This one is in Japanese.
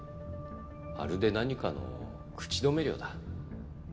まるで何かの口止め料だ。